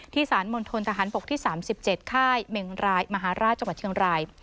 สารมณฑนทหารบกที่๓๗ค่ายเมงรายมหาราชจังหวัดเชียงราย